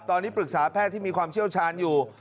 ตอนนี้ปรึกษาแพทย์ที่มีความเชี่ยวชาญอยู่